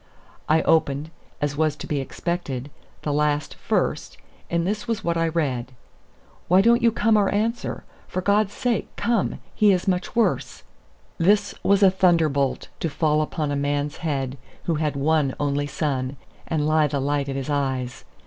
I opened, as was to be expected, the last first, and this was what I read: "Why don't you come or answer? For God's sake, come. He is much worse." This was a thunderbolt to fall upon a man's head who had one only son, and he the light of his eyes!